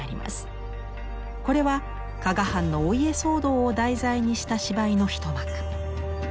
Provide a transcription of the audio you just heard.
これは加賀藩のお家騒動を題材にした芝居の一幕。